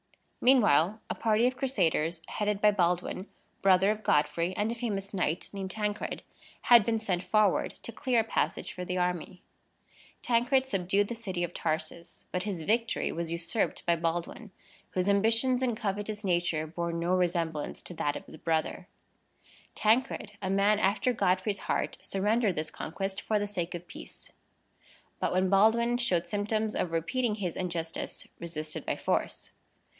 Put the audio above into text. Meanwhile, a party of Crusaders, headed by Baldwin, brother of Godfrey, and a famous knight named Tancred, had been sent forward to clear a passage for the army. Tancred subdued the city of Tarsus; but his victory was usurped by Baldwin, whose ambitions and covetous nature bore no resemblance to that of his brother. Tancred, a man after Godfrey's heart, surrendered this conquest for the sake of peace; but, when Baldwin showed symptoms of repeating his injustice, resisted by force.